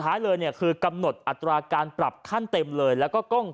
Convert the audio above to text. ท้ายเลยเนี่ยคือกำหนดอัตราการปรับขั้นเต็มเลยแล้วก็กล้อง